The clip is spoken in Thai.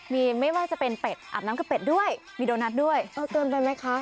มีไม่ว่าจะเป็นเป็ดอาบน้ำกับเป็ดด้วยมีโดนัทด้วยเออเกินไปไหมคะ